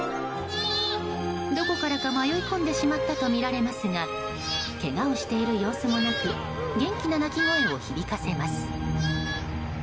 どこからか迷い込んでしまったとみられますがけがをしている様子もなく元気な鳴き声を響かせます。